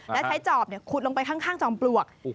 และใช้จอบขุดลงไปข้างจอมปลวก